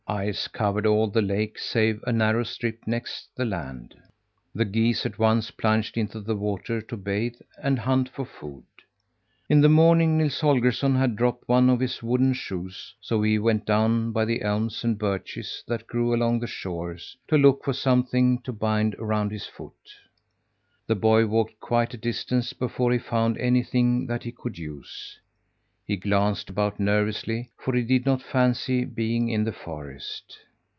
Ice covered all the lake save a narrow strip next the land. The geese at once plunged into the water to bathe and hunt for food. In the morning Nils Holgersson had dropped one of his wooden shoes, so he went down by the elms and birches that grew along the shore, to look for something to bind around his foot. The boy walked quite a distance before he found anything that he could use. He glanced about nervously, for he did not fancy being in the forest.